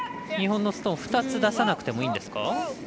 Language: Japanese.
日本のストーンを２つ出さなくてもいいんですか？